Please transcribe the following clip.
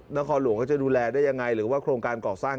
นครหลวงเขาจะดูแลได้ยังไงหรือว่าโครงการก่อสร้าง